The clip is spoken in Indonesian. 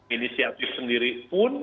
inisiatif sendiri pun